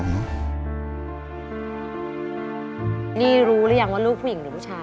นี่รู้หรือยังว่าลูกผู้หญิงหรือผู้ชาย